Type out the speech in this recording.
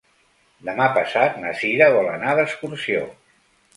Demà passat na Cira vol anar d'excursió.